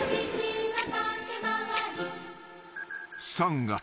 ［３月。